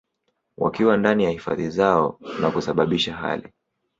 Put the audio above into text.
wakiwa ndani ya hifadhi zao na kusababisha hali